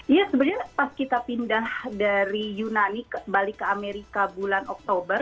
iya sebenarnya pas kita pindah dari yunani balik ke amerika bulan oktober